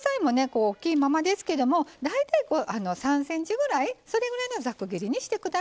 こうおっきいままですけども大体３ｃｍぐらいそれぐらいのザク切りにしてください。